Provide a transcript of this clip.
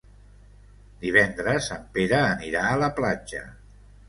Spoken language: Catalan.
Divendres en Pere anirà a la platja.